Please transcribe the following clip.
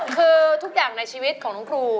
คือทุกอย่างในชีวิตของน้องครู